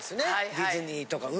ディズニーとか海。